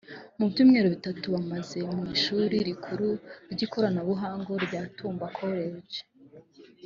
Mu byumweru bitatu bamaze mu Ishuri rikuru ry’Ikoranabuhanga rya Tumba College